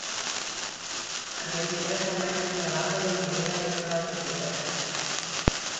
El vint-i-tres de maig na Laura i en Julià iran a la biblioteca.